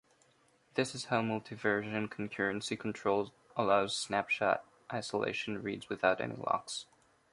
This is how multiversion concurrency control allows snapshot isolation reads without any locks.